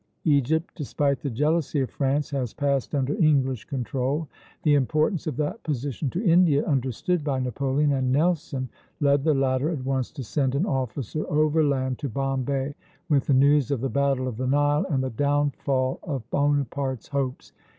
Egypt, despite the jealousy of France, has passed under English control. The importance of that position to India, understood by Napoleon and Nelson, led the latter at once to send an officer overland to Bombay with the news of the battle of the Nile and the downfall of Bonaparte's hopes.